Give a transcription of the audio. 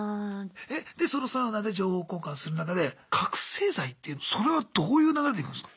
でそのサウナで情報交換する中で覚醒剤ってそれはどういう流れでいくんすか？